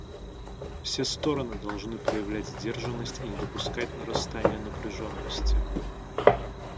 Все стороны должны проявлять сдержанность и не допускать нарастания напряженности.